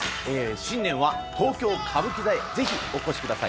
新年は東京・歌舞伎座へぜひお越しください。